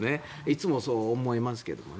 いつもそう思います。